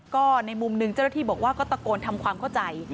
ก็ในมุมหนึ่งเจ้าหน้าที่บอกว่าก็ตะโกนทำความเข้าใจ